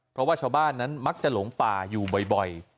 เพราะว่าชาวบ้านนั้นมักจะหลงป่าอยู่บ่อย